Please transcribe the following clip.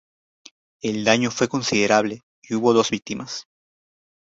El daño fue considerable y hubo dos víctimas.